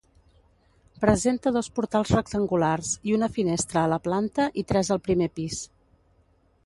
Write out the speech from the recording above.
Presenta dos portals rectangulars i una finestra a la planta i tres al primer pis.